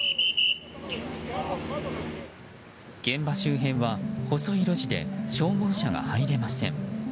現場周辺は細い路地で消防車が入れません。